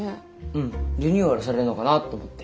うんリニューアルされるのかなと思って。